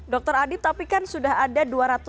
dokter adi tapi kan sudah ada